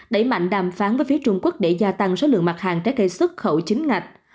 đẩy mạnh đàm phán với phía trung quốc để gia tăng số lượng mặt hàng trái cây xuất khẩu chính ngạch